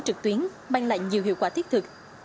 trực tuyến mang lại nhiều hiệu quả thiết thực